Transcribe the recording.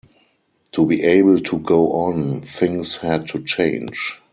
To be able to go on, things had to change.